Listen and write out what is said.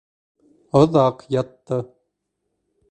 Оҙаҡ ятты.